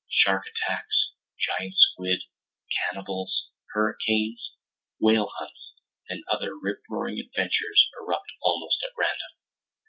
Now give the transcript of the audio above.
Shark attacks, giant squid, cannibals, hurricanes, whale hunts, and other rip roaring adventures erupt almost at random.